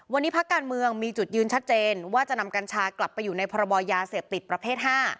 วันนี้พักการเมืองมีจุดยืนชัดเจนว่าจะนำกัญชากลับไปอยู่ในพรบยาเสพติดประเภท๕